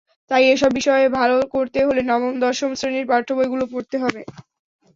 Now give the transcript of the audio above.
তাই এসব বিষয়ে ভালো করতে হলে নবম-দশম শ্রেণির পাঠ্যবইগুলো পড়তে হবে।